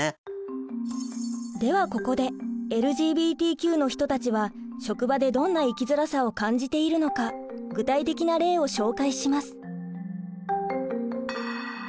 ではここでＬＧＢＴＱの人たちは職場でどんな生きづらさを感じているのか具体的な例を紹介します。